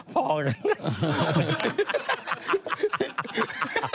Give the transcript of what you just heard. พอกัน